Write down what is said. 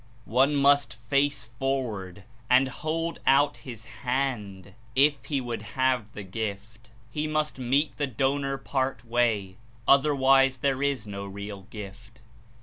One must face forward and hold out his hand If he would have the gift; he must meet the donor part way; otherwise there Is no real gift.